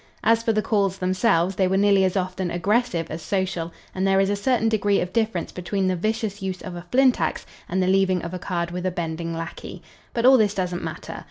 As for the calls themselves, they were nearly as often aggressive as social, and there is a certain degree of difference between the vicious use of a flint ax and the leaving of a card with a bending lackey. But all this doesn't matter.